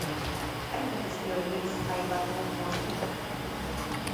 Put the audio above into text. Aitak ez dio inoiz aipatu Moskukorik.